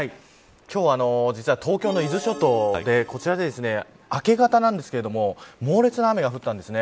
今日は、東京の伊豆諸島でこちらで、明け方なんですけど猛烈な雨が降ったんです。